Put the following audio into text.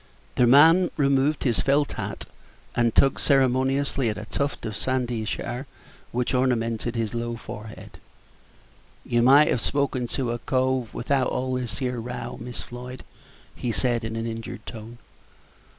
The man removed his felt hat, and tugged ceremoniously at a tuft of sandyish hair which ornamented his low forehead. "You might have spoken to a cove without all this here row, Miss Floyd," he said, in an injured tone.